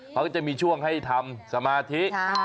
เขาก็จะมีช่วงให้ทำสมาธิ